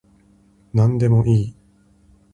なんでもいい